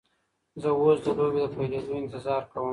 زه اوس د لوبې د پیلیدو انتظار کوم.